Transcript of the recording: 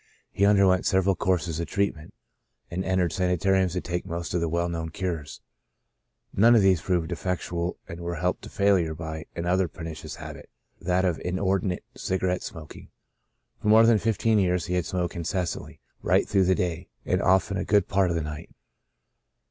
He underwent several courses of treatment, and entered sanitariums to take most of the well known cures." None of these proved effectual and were helped to failure by an other pernicious habit — that of inordinate cigarette smoking. For more than fifteen years he had smoked incessantly, right The Lifted Bondage 167 through the day, and often a good part of the night.